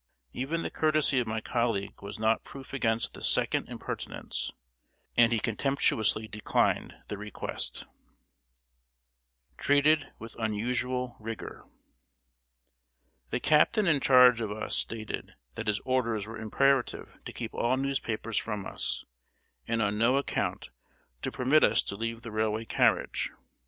Even the courtesy of my colleague was not proof against this second impertinence, and he contemptuously declined the request. [Sidenote: TREATED WITH UNUSUAL RIGOR.] The captain in charge of us stated that his orders were imperative to keep all newspapers from us; and on no account to permit us to leave the railway carriage.